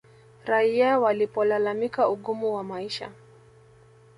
Raia walipolalamika ugumu wa maisha